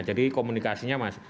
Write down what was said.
jadi komunikasinya masih